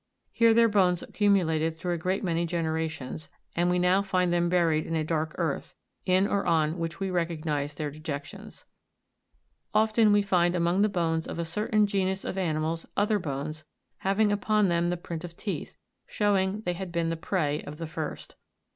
Here their bones accumulated through a great many generations, and we now find them buried in a dark earth, in or on which we recognise their dejections. Often we find among the bones of a certain genus of animals other bones, having upon them the print of teeth, showing they had been the prey of the first.